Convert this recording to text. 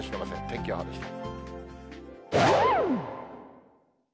天気予報でした。